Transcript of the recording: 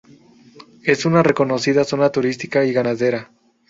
Es una reconocida zona turística y ganadera.